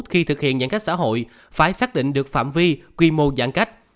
khi thực hiện giãn cách xã hội phải xác định được phạm vi quy mô giãn cách